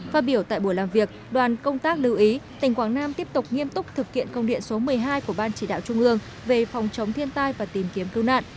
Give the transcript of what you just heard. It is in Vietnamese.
phát biểu tại buổi làm việc đoàn công tác lưu ý tỉnh quảng nam tiếp tục nghiêm túc thực hiện công điện số một mươi hai của ban chỉ đạo trung ương về phòng chống thiên tai và tìm kiếm cứu nạn